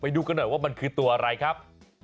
ดูกันหน่อยว่ามันคือตัวอะไรครับ